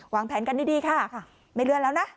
แผนกันดีค่ะไม่เลื่อนแล้วนะ